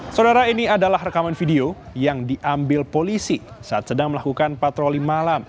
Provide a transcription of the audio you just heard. saudara ini adalah rekaman video yang diambil polisi saat sedang melakukan patroli malam